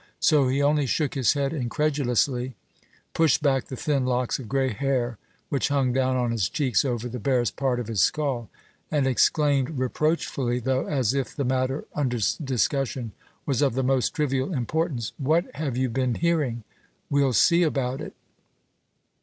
So he only shook his head incredulously, pushed back the thin locks of grey hair which hung down on his cheeks over the barest part of his skull, and exclaimed reproachfully, though as if the matter under discussion was of the most trivial importance: "What have you been hearing? We'll see about it!"